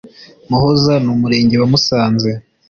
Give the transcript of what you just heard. Muhoza numurenge wa musanze